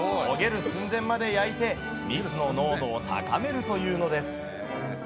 焦げる寸前まで焼いて、蜜の濃度を高めるというのです。